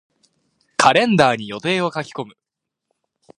カレンダーに予定を書き込む。